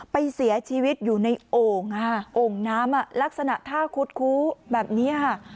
ไปเสียชีวิตอยู่ในโอ่งค่ะโอ่งน้ำลักษณะท่าคุดคู้แบบนี้ค่ะ